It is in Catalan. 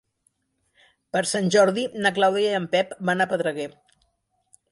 Per Sant Jordi na Clàudia i en Pep van a Pedreguer.